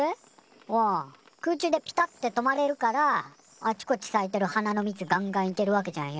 おん空中でピタって止まれるからあちこちさいてる花の蜜がんがんいけるわけじゃんよ。